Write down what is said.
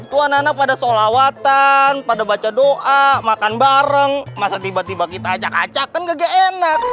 tuhan anak pada sholawatan pada baca doa makan bareng masa tiba tiba kita acak acakan enak